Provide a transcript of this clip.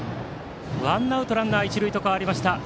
ワンアウトランナー、一塁と変わりました。